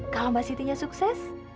kalau mbak sitinya sukses